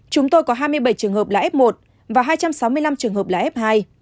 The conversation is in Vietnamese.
chúng tôi có hai mươi bảy trường hợp là f một và hai trăm sáu mươi năm trường hợp là f hai